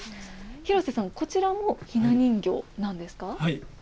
廣瀬さん、こちらもひな人形なんですか？